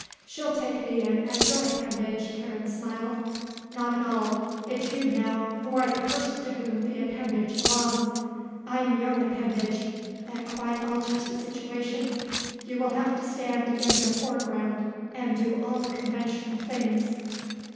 "She'll take me in as your appendage," Karen smiled. "Not at all. It's you, now, who are the person to whom the appendage belongs. I'm your appendage. That quite alters the situation. You will have to stand in the foreground and do all the conventional things."